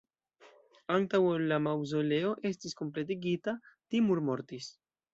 Antaŭ ol la maŭzoleo estis kompletigita, Timur mortis.